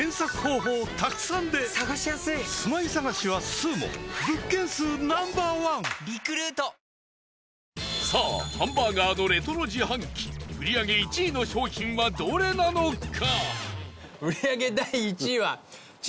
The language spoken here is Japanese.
新「ＥＬＩＸＩＲ」さあハンバーガーのレトロ自販機売り上げ１位の商品はどれなのか？